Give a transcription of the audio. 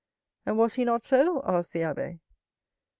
"And was he not so?" asked the abbé.